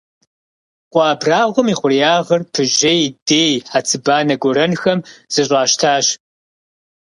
Къуэ абрагъуэм и хъуреягъыр пыжьей, дей, хьэцыбанэ гуэрэнхэм зэщӀащтащ.